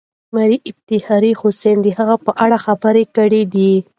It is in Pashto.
میا افتخار حسین د هغه په اړه خبرې کړې دي.